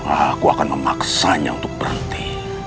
aku akan memaksanya untuk berhenti